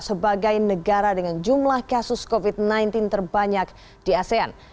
sebagai negara dengan jumlah kasus covid sembilan belas terbanyak di asean